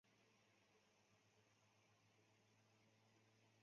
结肾形核果。